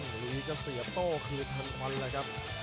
ลูอีสจะเสียโต้คืนทันควันแล้วครับ